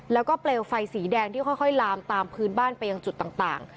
แล้วก็เปลวไฟสีแดงที่ค่อยลามตามพื้นบ้านไปยังจุดต่าง